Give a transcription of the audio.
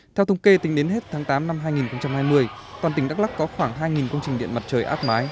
theo thông kê tính đến hết tháng tám năm hai nghìn hai mươi toàn tỉnh đắk lắc có khoảng hai công trình điện mặt trời áp mái